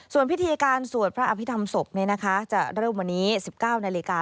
ส่วนพิธีการสวดพระอภิษฐรรมศพจะเริ่มวันนี้๑๙นาฬิกา